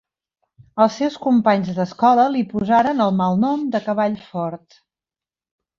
Els seus companys d'escola li posaren el malnom de "Cavall fort".